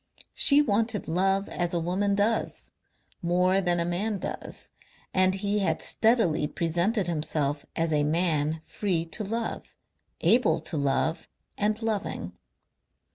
She wanted love as a woman does, more than a man does, and he had steadily presented himself as a man free to love, able to love and loving.